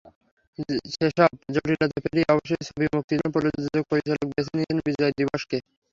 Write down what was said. সেসব জটিলতা পেরিয়ে অবশেষে ছবি মুক্তির জন্য প্রযোজক-পরিচালক বেছে নিয়েছেন বিজয় দিবসকে।